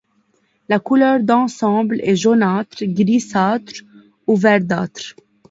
La couleur d'ensemble est jaunâtre, grisâtre ou verdâtre.